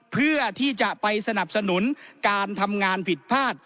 เพื่อที่จะไปสนับสนุนการทำงานผิดพลาด